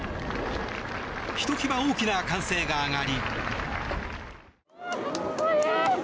ひときわ大きな歓声が上がり。